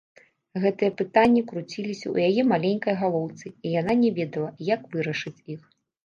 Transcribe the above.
Гэтыя пытанні круціліся ў яе маленькай галоўцы, і яна не ведала, як вырашыць іх.